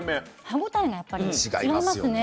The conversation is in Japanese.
歯応えがやっぱり違いますね。